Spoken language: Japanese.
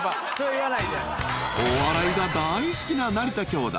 ［お笑いが大好きな成田兄弟。